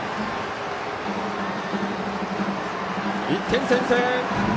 １点先制！